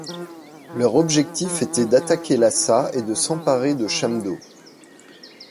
Leur objectif était d'attaquer Lhassa et de s'emparer de Chamdo.